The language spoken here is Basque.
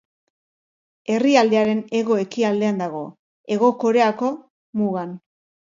Herrialdearen hego-ekialdean dago, Hego Koreako mugan.